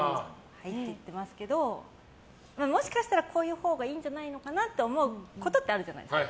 はいって言ってますけどもしかしたら、こういうほうがいいんじゃないのかなって思うことってあるじゃないですか。